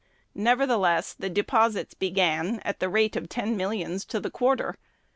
Nevertheless, the deposits began at the rate of ten millions to the quarter.